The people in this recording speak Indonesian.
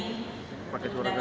mendapatkan khidmat dan rahmat